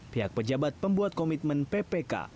pihak pejabat pembuat komitmen ppk